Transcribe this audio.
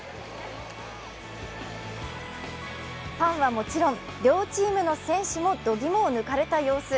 ファンはもちろん両チームの選手もどぎもを抜かれた様子。